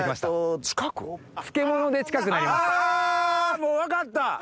もう分かった。